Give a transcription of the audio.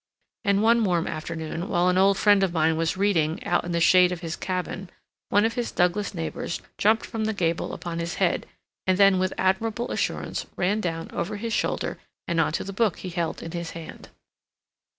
And one warm afternoon, while an old friend of mine was reading out in the shade of his cabin, one of his Douglas neighbors jumped from the gable upon his head, and then with admirable assurance ran down over his shoulder and on to the book he held in his hand.